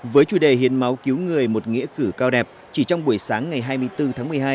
với chủ đề hiến máu cứu người một nghĩa cử cao đẹp chỉ trong buổi sáng ngày hai mươi bốn tháng một mươi hai